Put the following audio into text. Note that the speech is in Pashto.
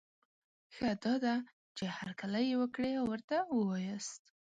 ښه دا ده، چي هرکلی یې وکړی او ورته وواياست